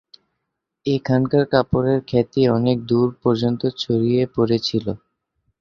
এখানকার কাপড়ের খ্যাতি অনেক দূর পর্যন্ত ছড়িয়ে পড়েছিল।